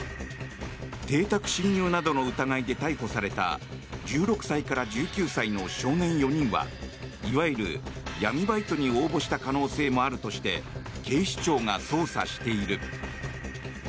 邸宅侵入などの疑いで逮捕された１６歳から１９歳の少年４人はいわゆる闇バイトに応募した可能性もあるとして警視庁が捜査している。